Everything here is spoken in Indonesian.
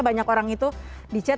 banyak orang itu di chat